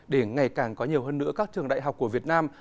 để ngày càng có nhiều hơn nữa các trường đại học của việt nam